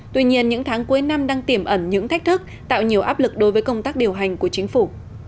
tuy nhiên những tháng cuối năm đang tiềm ẩn những thách thức tạo nhiều áp lực đối với công tác điều hành của chính phủ